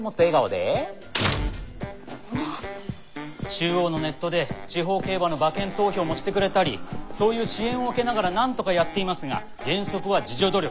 中央のネットで地方競馬の馬券投票もしてくれたりそういう支援を受けながらなんとかやっていますが原則は自助努力。